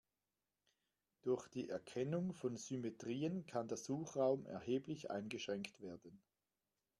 Durch die Erkennung von Symmetrien kann der Suchraum erheblich eingeschränkt werden.